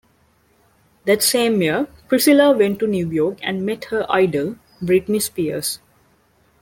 That same year, Priscilla went to New York and met her idol Britney Spears.